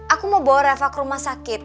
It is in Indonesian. aku mau bawa reva ke rumah sakit